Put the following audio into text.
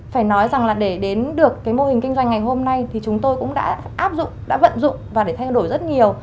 phải nói rằng là để đến được cái mô hình kinh doanh ngày hôm nay thì chúng tôi cũng đã áp dụng đã vận dụng và để thay đổi rất nhiều